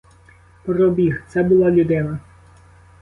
Пробіг, це була людина!